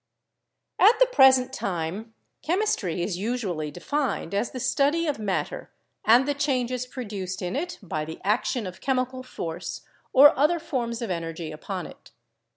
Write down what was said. At the present time, chemistry is usually defined as the study of matter and the changes produced in it by the action of chemical force or other forms of energy upon it.